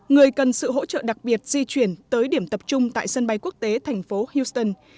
người cần sự hỗ trợ đặc biệt di chuyển tới điểm tập trung tại sân bay quốc tế thành phố houston